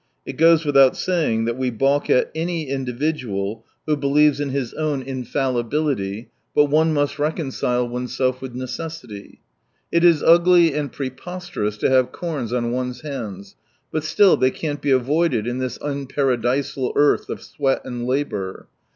It goes without saying that we balk at any individual who believes in his own 189 infallibility, but one must reconcile oneself with necessity. It is ugly and preposterous to have corns on one's hands, but still, they can't be avoided in this unparadisal earth of sweat and labour.